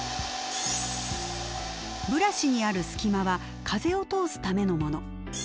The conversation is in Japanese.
ブラシにある隙間は風を通すためのもの。